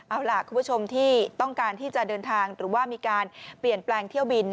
เอาล่ะคุณผู้ชมที่ต้องการที่จะเดินทางหรือว่ามีการเปลี่ยนแปลงเที่ยวบิน